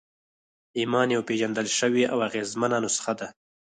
ایمان یوه پېژندل شوې او اغېزمنه نسخه ده